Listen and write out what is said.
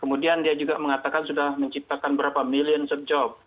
kemudian dia juga mengatakan sudah menciptakan berapa millions of job